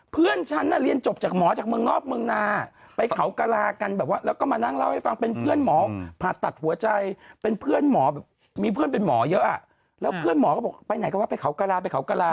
เพื่อนฉันน่ะเรียนจบจากหมอจากเมืองนอกเมืองนาไปเขากระลากันแบบว่าแล้วก็มานั่งเล่าให้ฟังเป็นเพื่อนหมอผ่าตัดหัวใจเป็นเพื่อนหมอแบบมีเพื่อนเป็นหมอเยอะอ่ะแล้วเพื่อนหมอก็บอกไปไหนก็ว่าไปเขากระลาไปเขากระลา